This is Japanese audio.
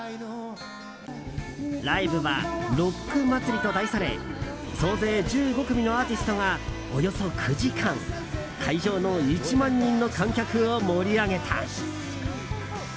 ライブはロック祭りと題され総勢１５組のアーティストがおよそ９時間会場の１万人の観客を盛り上げた。